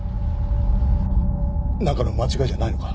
なんかの間違いじゃないのか？